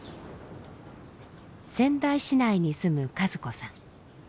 仙台市内に住む和子さん。